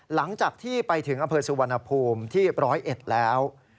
หลังจากที่ไปถึงอำเภอสุวรรณภูมิที่๑๐๑แล้ว